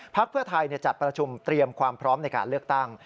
เพื่อไทยจัดประชุมเตรียมความพร้อมในการเลือกตั้ง